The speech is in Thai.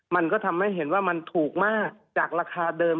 มันก็ทำให้เห็นว่ามันถูกมากจากราคาเดิม